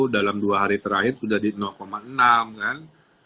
dalam dua hari terakhir sudah di enam kan